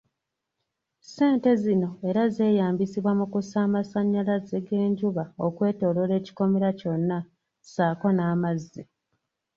Ssente zino era zeeyambisibwa mu kussa amasanyalaze g'enjuba okwetoolola ekikomera kyonna saako n'amazzi.